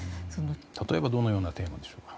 例えばどのようなテーマでしょうか。